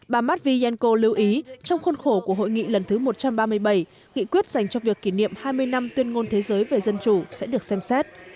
bà matvienko lưu ý trong khuôn khổ của hội nghị lần thứ một trăm ba mươi bảy nghị quyết dành cho việc kỷ niệm hai mươi năm tuyên ngôn thế giới về dân chủ sẽ được xem xét